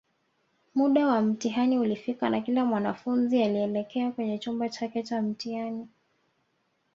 Muda wa mtihani ulifika na kila mwanafunzi alielekea kwenye chumba chake Cha mtihani